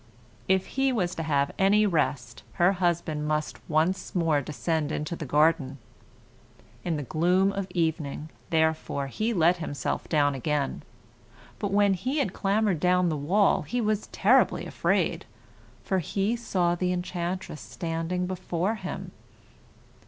If he was to have any rest, her husband must once more descend into the garden. In the gloom of evening, therefore, he let himself down again; but when he had clambered down the wall he was terribly afraid, for he saw the enchantress standing before him.